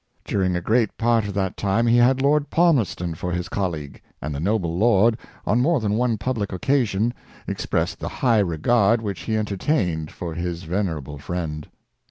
Dur ing a great part of that time he had Lord Palmerston for his colleague, and the noble lord, on more than one public occasion, expressed the high regard which he en tertained for his venerable friend.